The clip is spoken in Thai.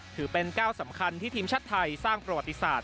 ถือเป็นก้าวสำคัญที่ทีมชาติไทยสร้างประวัติศาสต